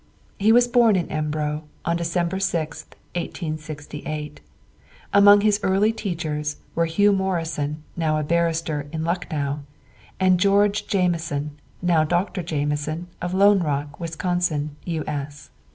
He was born in Embro on December 6th, 1868. Among his early teachers were Hugh Morrison, now a barrister in Lucknow, and George Jamieson, now Dr. Jamieson, of Lone Rock, Wisconsin, U.S.